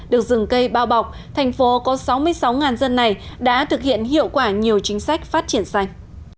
được rừng cây bao bọc thành phố có sáu mươi sáu dân này đã thực hiện hiệu quả nhiều chính sách phát triển xanh